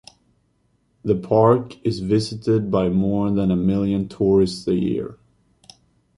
The Park is visited by more than a million tourists a year.